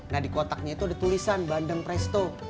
nah di kotaknya itu ada tulisan bandeng presto